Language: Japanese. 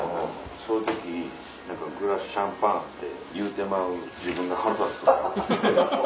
そういう時グラスシャンパンって言うてまう自分が腹立つ。